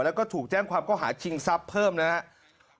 แล้วก็ถูกแจ้งความก็หาชิงทรัพย์เพิ่มนะครับ